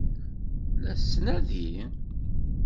La t-tettnadi?